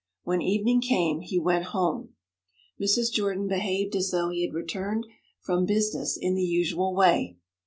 When evening came he went home. Mrs. Jordan behaved as though he had returned from business in the usual way.